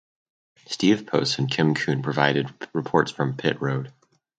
Steve Post and Kim Coon provided reports from pit road.